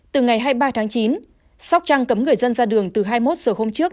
từ ngày hai mươi ba tháng chín sóc trăng cấm người dân ra đường từ hai mươi một giờ hôm trước